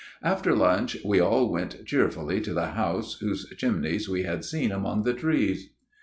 " After lunch we all went cheerfully to the house, whose chimneys we had seen among the trees.